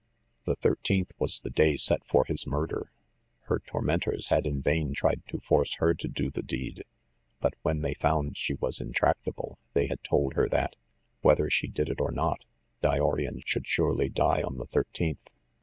The thirteenth was the day set for his murder. Her tor mentors had in vain tried to force her to do the deed ; but, when they found she was intractable, they had told her that, whether she did it or not, Dyorian should surely die on the thirteenth.